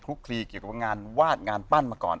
คุกคลีเรียกว่านุญาณวาดงานปั้นมาก่อน